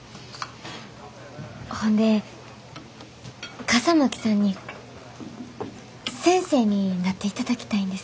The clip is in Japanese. ほんで笠巻さんに先生になっていただきたいんです。